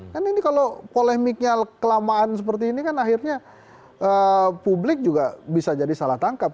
kan ini kalau polemiknya kelamaan seperti ini kan akhirnya publik juga bisa jadi salah tangkap